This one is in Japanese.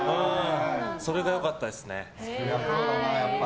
それが良かったですね。